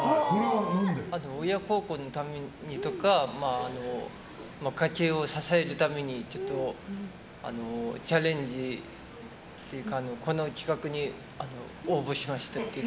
親孝行のためにとか家計を支えるためにチャレンジっていうかこの企画に応募しました。